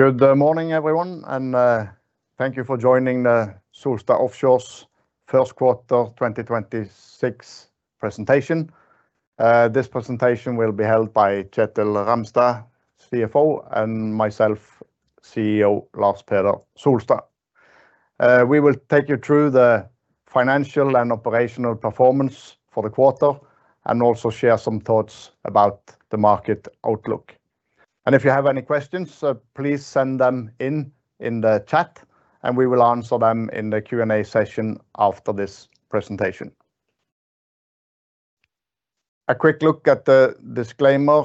Good morning, everyone, and thank you for joining the Solstad Offshore's first quarter 2026 presentation. This presentation will be held by Kjetil Ramstad, CFO, and myself, CEO Lars Peder Solstad. We will take you through the financial and operational performance for the quarter and also share some thoughts about the market outlook. If you have any questions, please send them in in the chat, and we will answer them in the Q&A session after this presentation. A quick look at the disclaimer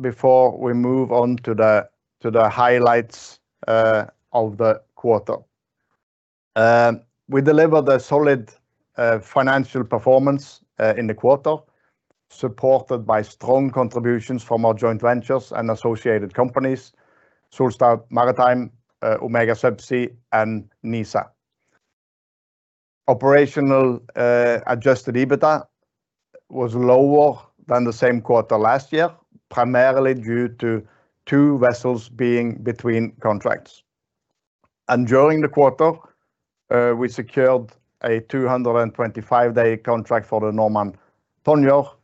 before we move on to the highlights of the quarter. We delivered a solid financial performance in the quarter, supported by strong contributions from our joint ventures and associated companies, Solstad Maritime, Omega Subsea and NISA. Operational adjusted EBITDA was lower than the same quarter last year, primarily due to two vessels being between contracts. During the quarter, we secured a 225-day contract for the Normand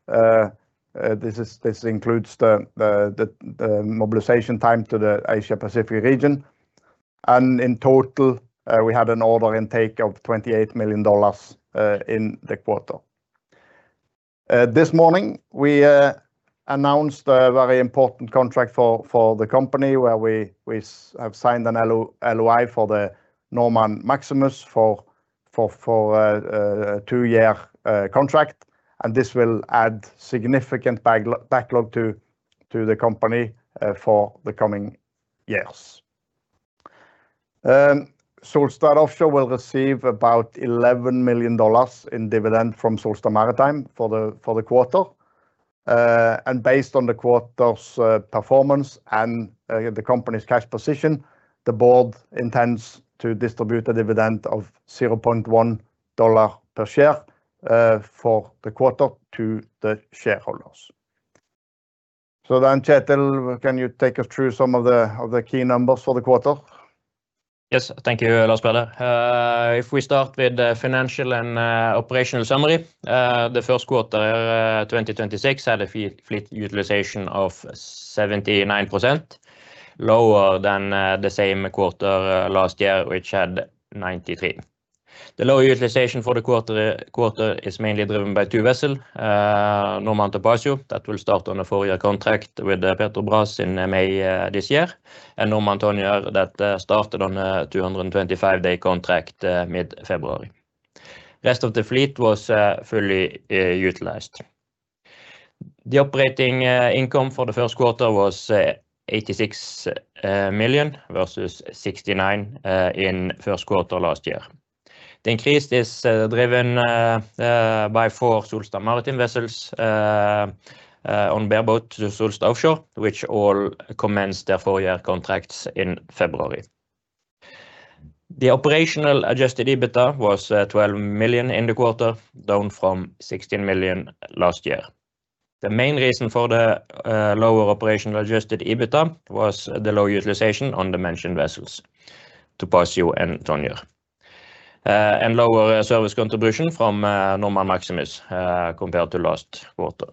Tonjer. This includes the mobilization time to the Asia Pacific region. In total, we had an order intake of $28 million in the quarter. This morning, we announced a very important contract for the company where we have signed an LOI for the Normand Maximus for a two-year contract, and this will add significant backlog to the company for the coming years. Solstad Offshore will receive about $11 million in dividend from Solstad Maritime for the quarter. Based on the quarter's performance and the company's cash position, the board intends to distribute a dividend of $0.1 per share for the quarter to the shareholders. Kjetil, can you take us through some of the key numbers for the quarter? Yes. Thank you, Lars Peder. If we start with the financial and operational summary, the first quarter 2026 had a fleet utilization of 79%, lower than the same quarter last year, which had 93%. The low utilization for the quarter is mainly driven by two vessel, Normand Topazio, that will start on a four-year contract with Petrobras in May this year, and Normand Tonjer that started on a 225-day contract mid-February. Rest of the fleet was fully utilized. The operating income for the first quarter was $86 million versus $69 million in first quarter last year. The increase is driven by four Solstad Maritime vessels on bareboat to Solstad Offshore, which all commenced their four-year contracts in February. The operational adjusted EBITDA was $12 million in the quarter, down from $16 million last year. The main reason for the lower operational adjusted EBITDA was the low utilization on the mentioned vessels, Topazio and Tonjer, and lower service contribution from Normand Maximus, compared to last quarter.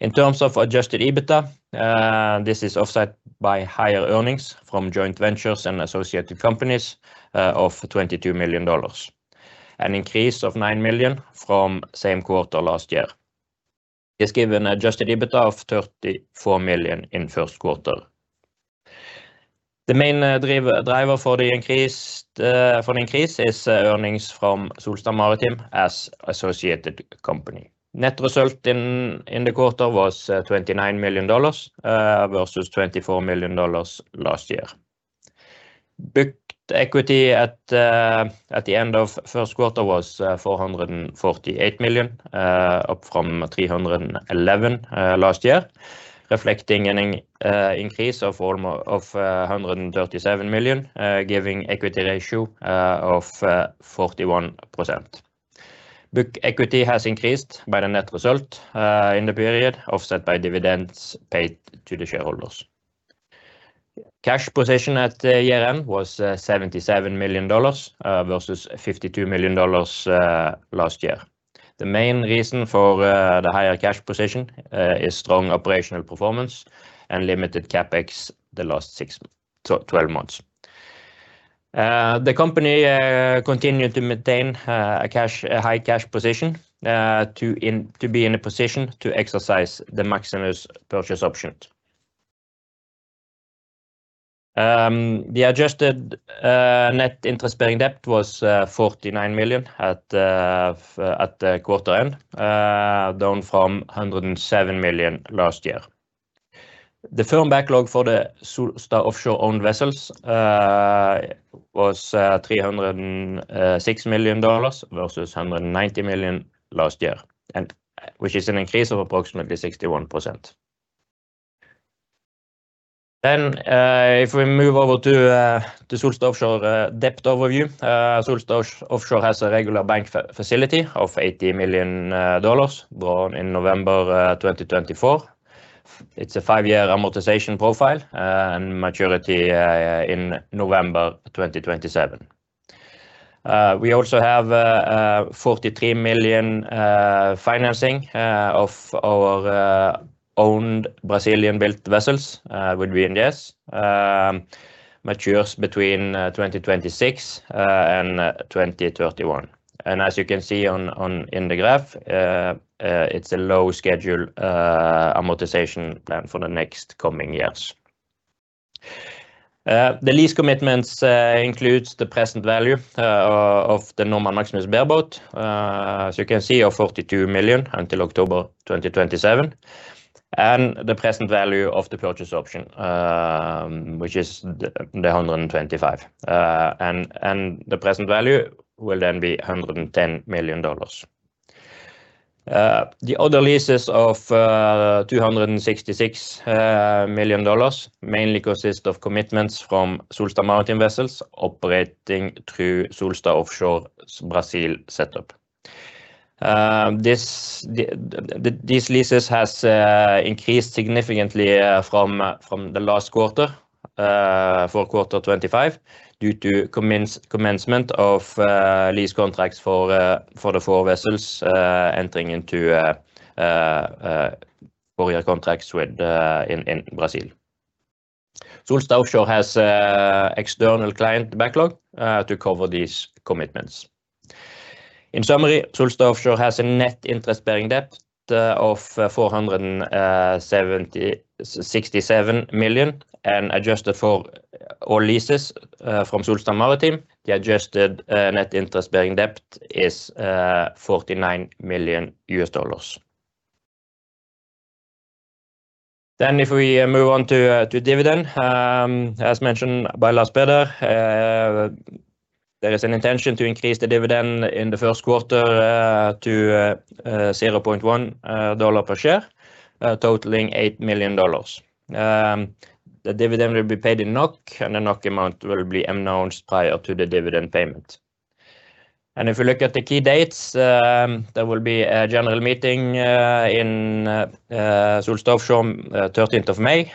In terms of adjusted EBITDA, this is offset by higher earnings from joint ventures and associated companies, of $22 million. An increase of $9 million from same quarter last year is given adjusted EBITDA of $34 million in first quarter. The main driver for an increase is earnings from Solstad Maritime as associated company. Net result in the quarter was $29 million, versus $24 million last year. Booked equity at the end of first quarter was $448 million, up from $311 last year, reflecting an increase of $137 million, giving equity ratio of 41%. Book equity has increased by the net result in the period, offset by dividends paid to the shareholders. Cash position at year-end was $77 million, versus $52 million last year. The main reason for the higher cash position is strong operational performance and limited CapEx the last six to 12 months. The company continued to maintain a high cash position to be in a position to exercise the Normand Maximus purchase option. The adjusted net interest-bearing debt was $49 million at the quarter end, down from $107 million last year. The firm backlog for the Solstad Offshore owned vessels was $306 million versus $190 million last year, and which is an increase of approximately 61%. If we move over to Solstad Offshore debt overview, Solstad Offshore has a regular bank facility of $80 million drawn in November 2024. It's a 5-year amortization profile and maturity in November 2027. We also have $43 million financing of our owned Brazilian-built vessels with BNDES. Matures between 2026 and 2031. As you can see in the graph, it's a low schedule amortization plan for the next coming years. The lease commitments includes the present value of the Normand Maximus bareboat. So you can see our $42 million until October 2027. The present value of the purchase option, which is the $125. The present value will then be $110 million. The other leases of $266 million mainly consist of commitments from Solstad Maritime Vessels operating through Solstad Offshore's Brazil setup. These leases has increased significantly from the last quarter for quarter 25 due to commencement of lease contracts for the four vessels entering into four-year contracts in Brazil. Solstad Offshore has external client backlog to cover these commitments. In summary, Solstad Offshore has a net interest-bearing debt of $477 million, and adjusted for all leases from Solstad Maritime, the adjusted net interest-bearing debt is $49 million. If we move on to dividend, as mentioned by Lars Peder, there is an intention to increase the dividend in the first quarter to $0.1 per share, totaling $8 million. The dividend will be paid in NOK, and the NOK amount will be announced prior to the dividend payment. If you look at the key dates, there will be a general meeting in Solstad Offshore 13th of May.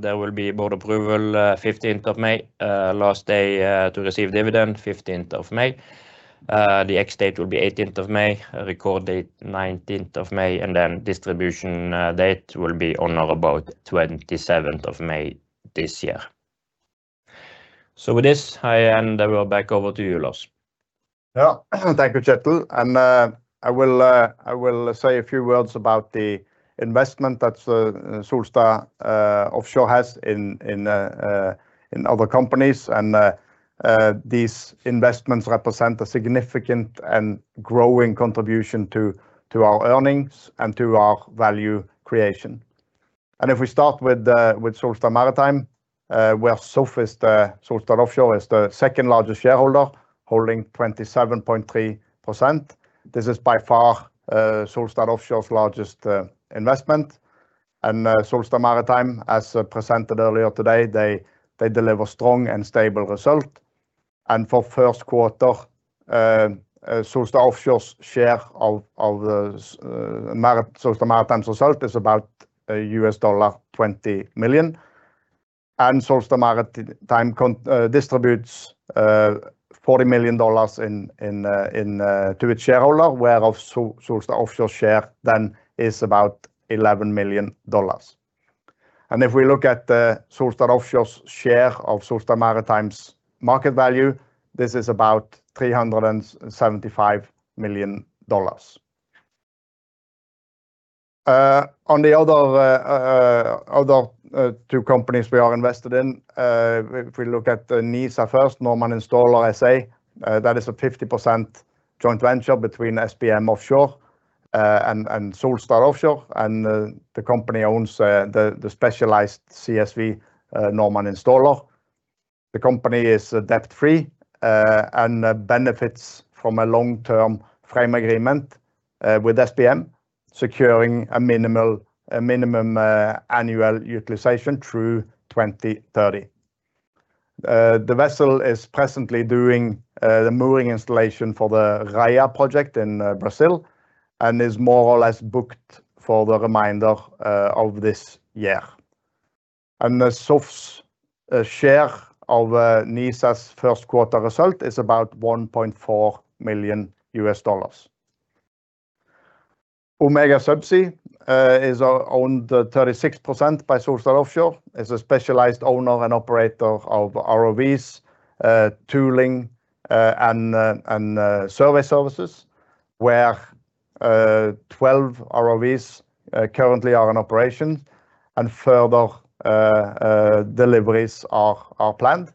There will be board approval 15th of May. Last day to receive dividend 15th of May. The ex-date will be eighteenth of May, record date nineteenth of May, and then distribution date will be on or about twenty-seventh of May this year. With this, I end. I will back over to you, Lars. Thank you, Kjetil. I will say a few words about the investment that Solstad Offshore has in other companies. These investments represent a significant and growing contribution to our earnings and to our value creation. If we start with Solstad Maritime, where Solstad Offshore is the second-largest shareholder, holding 27.3%. This is by far Solstad Offshore's largest investment. Solstad Maritime, as presented earlier today, they deliver strong and stable result. For first quarter, Solstad Offshore's share of Solstad Maritime's result is about $20 million. Solstad Maritime distributes $40 million to its shareholder, whereof Solstad Offshore share then is about $11 million. If we look at Solstad Offshore's share of Solstad Maritime's market value, this is about $375 million. On the other two companies we are invested in, if we look at the NISA first, Normand Installer SA, that is a 50% joint venture between SBM Offshore and Solstad Offshore. The company owns the specialized CSV, Normand Installer. The company is debt-free and benefits from a long-term frame agreement with SBM, securing a minimum annual utilization through 2030. The vessel is presently doing the mooring installation for the Raia project in Brazil, and is more or less booked for the remainder of this year. The Solstad Offshore's share of NISA's first quarter result is about $1.4 million. Omega Subsea is owned 36% by Solstad Offshore. It's a specialized owner and operator of ROVs, tooling, and survey services, where 12 ROVs currently are in operation and further deliveries are planned.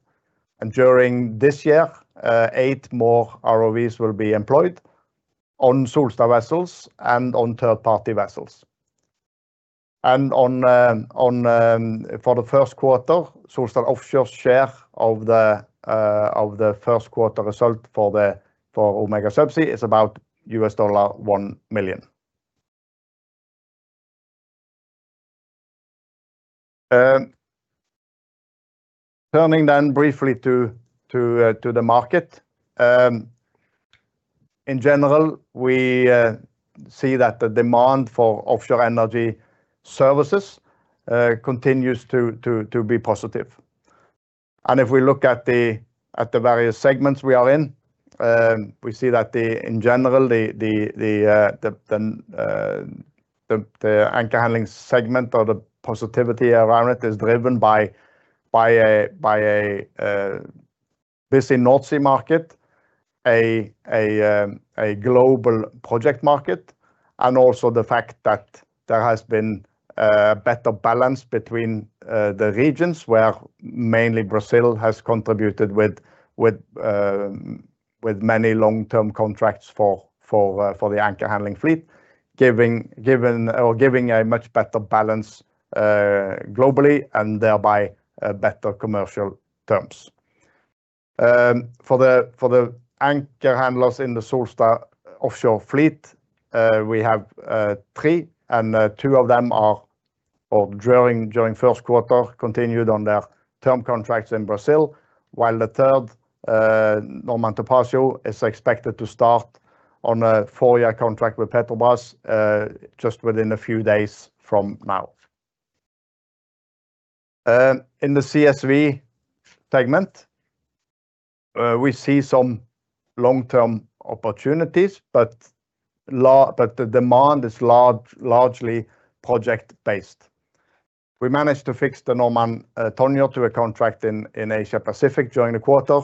During this year, eight more ROVs will be employed on Solstad vessels and on third-party vessels. For the first quarter, Solstad Offshore's share of the first quarter result for Omega Subsea is about $1 million. Turning then briefly to the market. In general, we see that the demand for offshore energy services continues to be positive. If we look at the various segments we are in, we see that in general, the anchor handling segment or the positivity around it is driven by a busy North Sea market, a global project market, and also the fact that there has been better balance between the regions where mainly Brazil has contributed with many long-term contracts for the anchor handling fleet. Giving a much better balance globally and thereby better commercial terms. For the anchor handlers in the Solstad Offshore fleet, we have three, and two of them are or during first quarter continued on their term contracts in Brazil, while the third, Normand Topazio, is expected to start on a four-year contract with Petrobras just within a few days from now. In the CSV segment, we see some long-term opportunities, but the demand is largely project based. We managed to fix the Normand Tonjer to a contract in Asia Pacific during the quarter,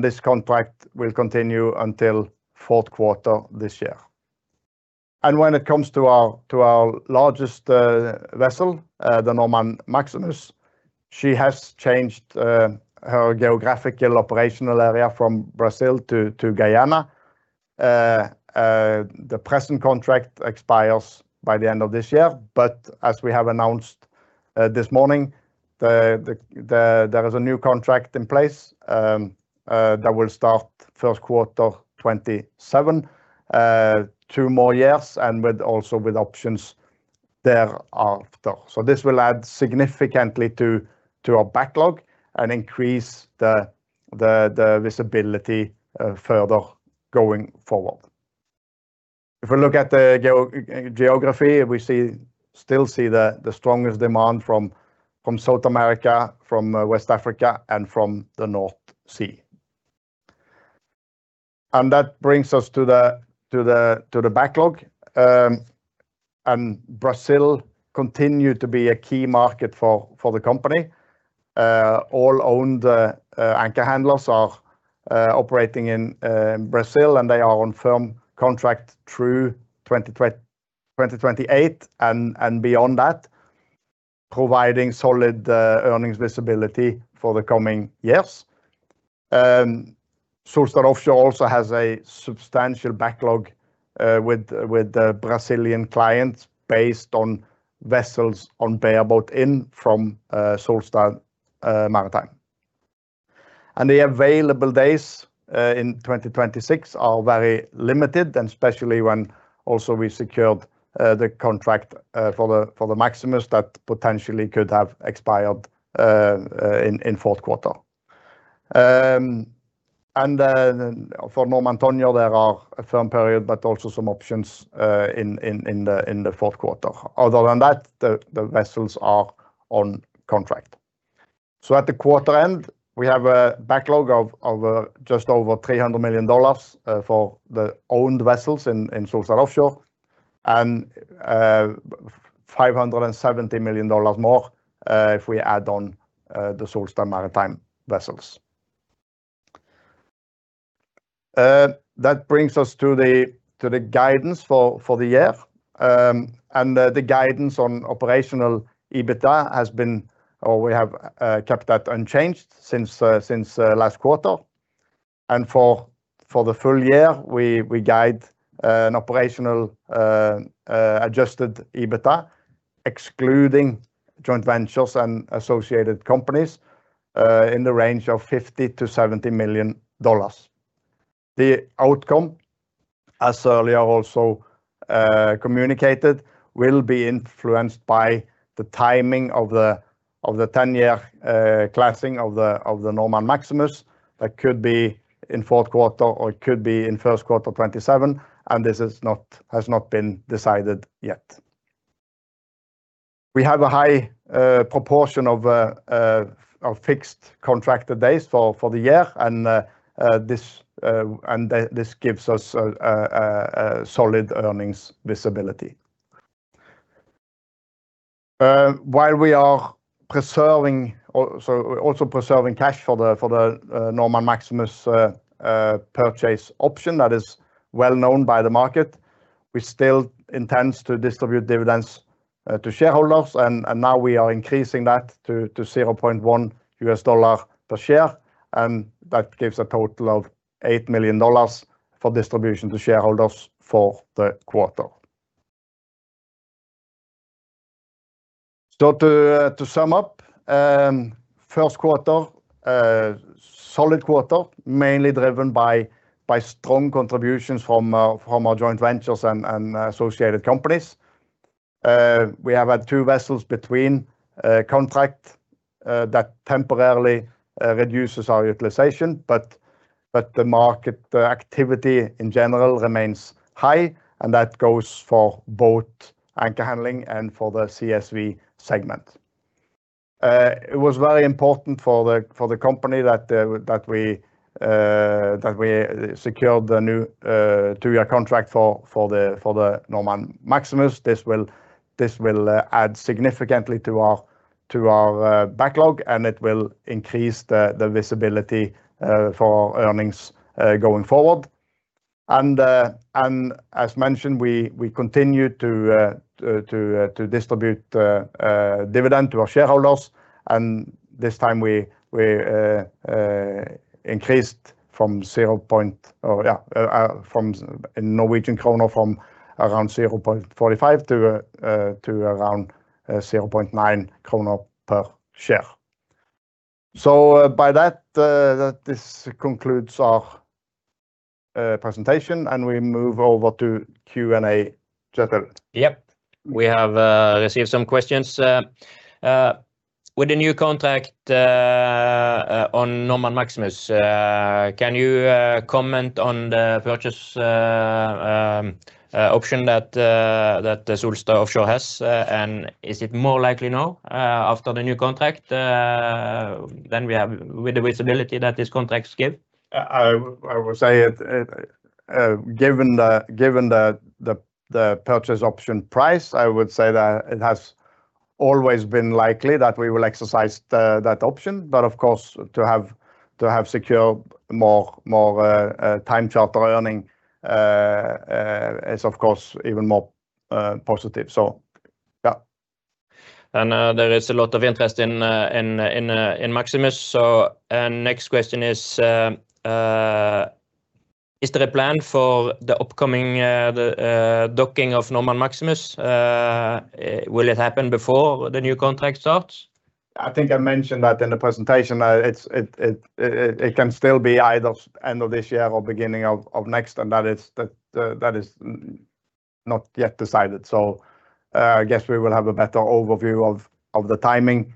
this contract will continue until fourth quarter this year. When it comes to our largest vessel, the Normand Maximus, she has changed her geographical operational area from Brazil to Guyana. The present contract expires by the end of this year, but as we have announced this morning, there is a new contract in place that will start first quarter 2027, two more years and with also with options thereafter. This will add significantly to our backlog and increase the visibility further going forward. If we look at the geography, we still see the strongest demand from South America, from West Africa, and from the North Sea. That brings us to the backlog. Brazil continued to be a key market for the company. All owned anchor handlers are operating in Brazil, and they are on firm contract through 2028 and beyond that, providing solid earnings visibility for the coming years. Solstad Offshore also has a substantial backlog with the Brazilian clients based on vessels on bareboat in from Solstad Maritime. The available days in 2026 are very limited, especially when also we secured the contract for the Maximus that potentially could have expired in fourth quarter. For Normand Tonjer there are a firm period, but also some options in the fourth quarter. Other than that, the vessels are on contract. At the quarter end, we have a backlog of over just over $300 million for the owned vessels in Solstad Offshore, $570 million more if we add on the Solstad Maritime vessels. That brings us to the guidance for the year. The guidance on operational EBITDA has been, or we have kept that unchanged since last quarter. For the full year, we guide an operational adjusted EBITDA, excluding joint ventures and associated companies, in the range of $50 million-$70 million. The outcome, as earlier also communicated, will be influenced by the timing of the 10-year classing of the Normand Maximus that could be in fourth quarter, or it could be in first quarter 2027, and this has not been decided yet. We have a high proportion of fixed contracted days for the year and this gives us a solid earnings visibility. While we are also preserving cash for the Normand Maximus purchase option that is well known by the market, we still intends to distribute dividends to shareholders. Now we are increasing that to $0.10 per share, and that gives a total of $8 million for distribution to shareholders for the quarter. To sum up, first quarter, solid quarter, mainly driven by strong contributions from our joint ventures and associated companies. We have had two vessels between contract that temporarily reduces our utilization, but the market, the activity in general remains high, and that goes for both anchor handling and for the CSV segment. It was very important for the company that we secured the new two-year contract for the Normand Maximus. This will add significantly to our backlog, it will increase the visibility for earnings going forward. As mentioned, we continue to distribute dividend to our shareholders, this time we increased from 0.0 from in Norwegian krone from around 0.45 to around 0.9 kroner per share. By that, this concludes our presentation, and we move over to Q&A, Kjetil. Yep. We have received some questions. With the new contract on Normand Maximus, can you comment on the purchase option that Solstad Offshore has, and is it more likely now after the new contract than we have with the visibility that these contracts give? I would say it, given the purchase option price, I would say that it has always been likely that we will exercise that option, but of course, to have secured more time charter earning is of course even more positive. Yeah. There is a lot of interest in Maximus. Next question is there a plan for the upcoming docking of Normand Maximus? Will it happen before the new contract starts? I think I mentioned that in the presentation. It's, it can still be either end of this year or beginning of next, and that is not yet decided. I guess we will have a better overview of the timing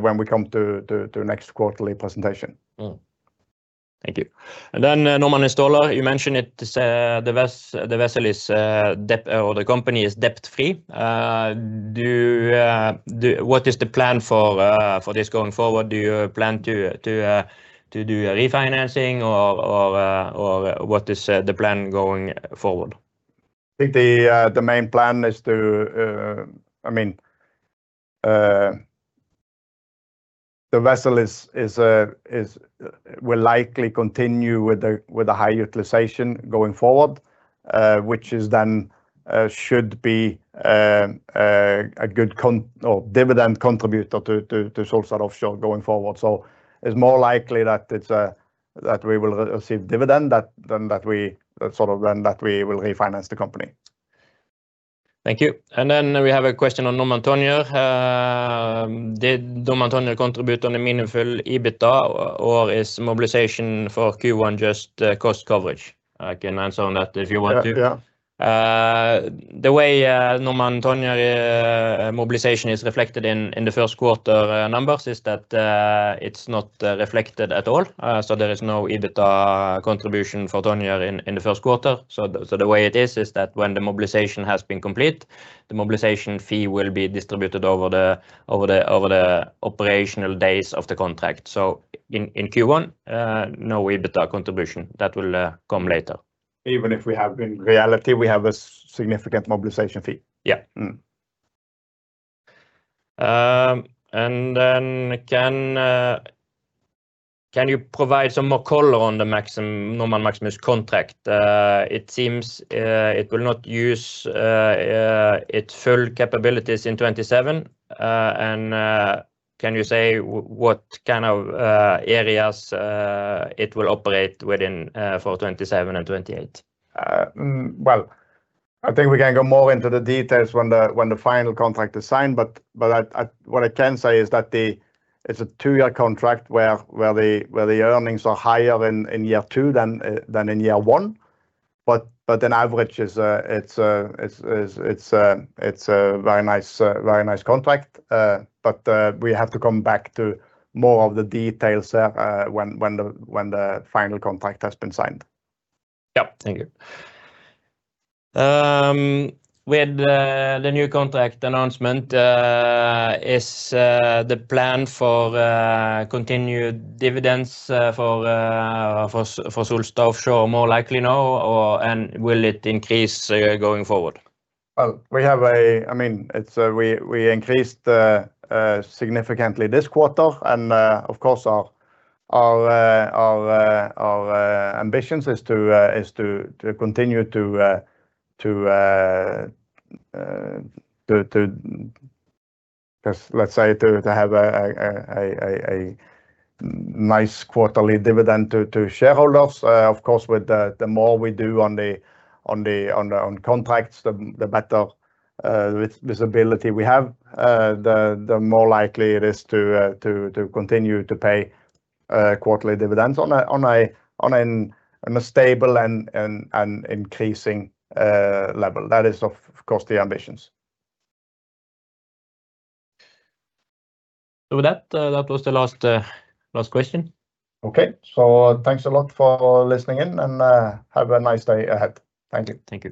when we come to next quarterly presentation. Thank you. Normand Installer, you mentioned it, the vessel is debt or the company is debt-free. What is the plan for this going forward? Do you plan to do a refinancing or what is the plan going forward? I think the main plan is to, I mean, the vessel is will likely continue with a high utilization going forward, which is then should be a good dividend contributor to Solstad Offshore going forward. It's more likely that it's that we will receive dividend than that we sort of than that we will refinance the company. Thank you. We have a question on Normand Tonjer. Did Normand Tonjer contribute on a meaningful EBITDA or is mobilization for Q1 just cost coverage? I can answer on that if you want to. Yeah, yeah. The way Normand Tonjer mobilization is reflected in the first quarter numbers is that it's not reflected at all. There is no EBITDA contribution for Tonjer in the first quarter. The way it is that when the mobilization has been complete, the mobilization fee will be distributed over the operational days of the contract. In Q1, no EBITDA contribution. That will come later. Even if we have in reality, we have a significant mobilization fee. Yeah. Then can you provide some more color on the Normand Maximus contract? It seems it will not use its full capabilities in 2027, and can you say what kind of areas it will operate within for 2027 and 2028? Well, I think we can go more into the details when the final contract is signed, but what I can say is that it's a two-year contract where the earnings are higher in year two than in year one. An average is a very nice, very nice contract. We have to come back to more of the details when the final contract has been signed. Yep. Thank you. With the new contract announcement, is the plan for continued dividends for Solstad Offshore more likely now, or will it increase going forward? Well, I mean, we increased significantly this quarter, and of course, our ambitions is to continue to let's say to have a nice quarterly dividend to shareholders. Of course, with the more we do on contracts, the better visibility we have. The more likely it is to continue to pay quarterly dividends on a stable and increasing level. That is, of course, the ambitions. With that was the last question. Okay. Thanks a lot for listening in, and have a nice day ahead. Thank you. Thank you.